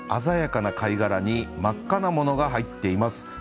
鮮やかな貝殻に真っ赤なものが入っています。